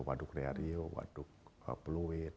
waduk reario waduk bluit